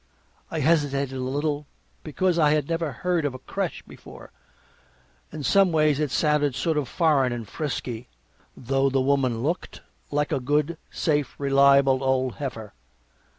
I hesitated a little, because I had never heard of a crèche before, and someways it sounded sort of foreign and frisky, though the woman looked like a good, safe, reliable old heifer.